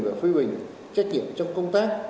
và phê bình trách nhiệm trong công tác